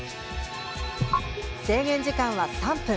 制限時間は３分。